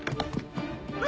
あ！